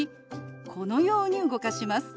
このように動かします。